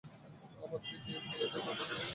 আমার দিকে চেয়ে দেখো, ডেমিয়েন!